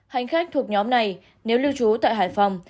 hành khách thuộc nhóm này nếu lưu trú tại hải phòng